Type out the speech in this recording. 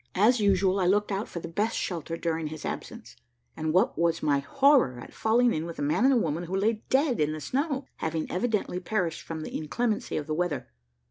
As usual, I looked out for the best shelter during his absence, and what was my horror at falling in with a man and woman who lay dead in the snow, having evidently perished from the inclemency of the weather.